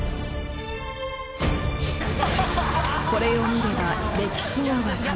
［これを見れば歴史が分かる］